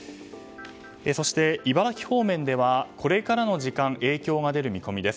そして、茨城方面ではこれからの時間、影響が出ます。